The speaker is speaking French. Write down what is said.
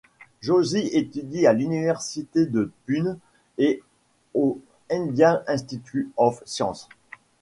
Joshi étudie à l'Université de Pune et au Indian Institute of Science.